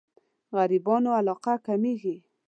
غريبانو علاقه کمېږي.